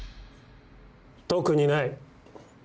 特にない。